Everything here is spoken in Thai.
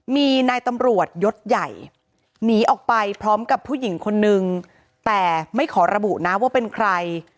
มีนายตำรวจยศใหญ่หนีออกไปพร้อมกับผู้หญิงคนนึงแต่ไม่ขอระบุนะว่าเป็นใคร